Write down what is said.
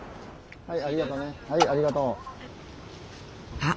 はい。